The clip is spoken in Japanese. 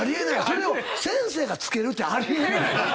それを先生が付けるってあり得ない。